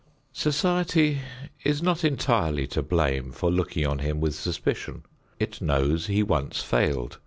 Society is not entirely to blame for looking on him with suspicion. It knows he once failed.